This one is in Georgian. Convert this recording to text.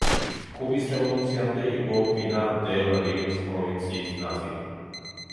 კუბის რევოლუციამდე იყო პინარ-დელ-რიოს პროვინციის ნაწილი.